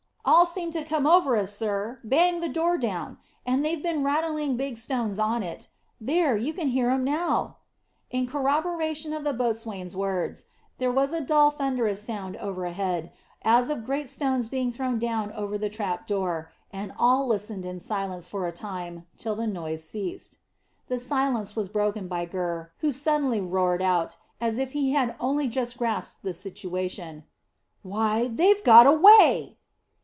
"All seemed to come over us, sir; banged the door down, and they've been rattling big stones on it. There, you can hear 'em now." In corroboration of the boatswain's words, there was a dull thunderous sound overhead, as of great stones being thrown down over the trap door, and all listened in silence for a time till the noise ceased. The silence was broken by Gurr, who suddenly roared out, as if he had only just grasped the position, "Why, they've got away!"